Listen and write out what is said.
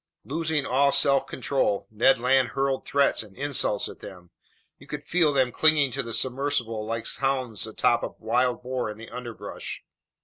Losing all self control, Ned Land hurled threats and insults at them. You could feel them clinging to the submersible like hounds atop a wild boar in the underbrush.